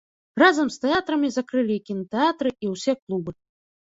Разам з тэатрамі закрылі і кінатэатры і ўсе клубы.